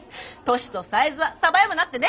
年とサイズはサバ読むなってね！